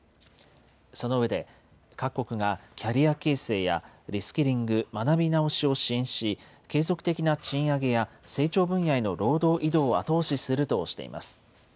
その上で、各国がキャリア形成やリスキリング・学び直しを支援し、継続的な賃上げや成長分野への労働移動を後押しするとしています。